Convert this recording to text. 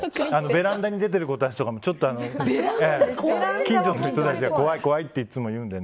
ベランダに出てる子たちもちょっと近所の人たちが怖いっていつも言うので。